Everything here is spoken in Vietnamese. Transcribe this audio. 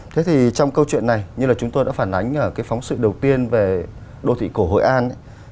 trong câu chuyện này như chúng tôi đã phản ánh phóng sự đầu tiên về đô thị cổ hội an